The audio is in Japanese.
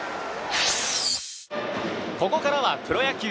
ここからはプロ野球。